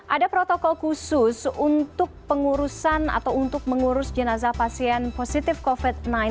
ada protokol khusus untuk pengurusan atau untuk mengurus jenazah pasien positif covid sembilan belas